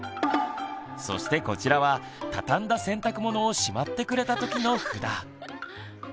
そしてこちらは畳んだ洗濯物をしまってくれたときの札。